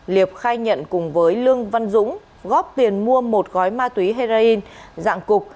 liệp khai nhận cùng với lương văn dũng góp tiền mua một gói ma túy heroin dạng cục